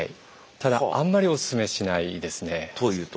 ただあんまりお勧めしないですね。というと？